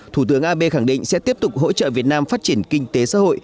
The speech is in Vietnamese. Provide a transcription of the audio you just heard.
thủ tướng abe khẳng định sẽ tiếp tục hỗ trợ việt nam phát triển kinh tế xã hội